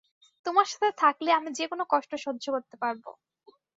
তোমার সাথে থাকলে আমি যে কোনো কষ্ট সহ্য করতে পারব।